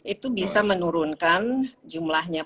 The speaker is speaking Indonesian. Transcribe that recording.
itu bisa menurunkan jumlahnya